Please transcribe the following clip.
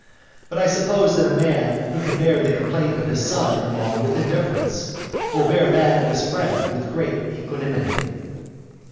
But I suppose that a man who can bear the complaint of his son in law with indifference, will bear that of his friend with great equanimity.